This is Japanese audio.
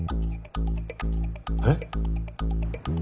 えっ？